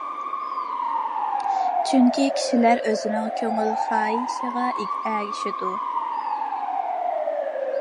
چۈنكى، كىشىلەر ئۆزلىرىنىڭ كۆڭۈل خاھىشىغا ئەگىشىدۇ.